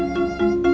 bapak juga begitu